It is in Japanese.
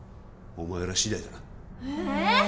お前らしだいだなえっ！？